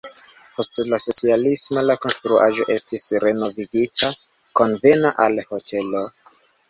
Post la socialismo la konstruaĵo estis renovigita konvena al hotelo.